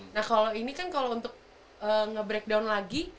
nah kalau ini kan kalau untuk nge breakdown lagi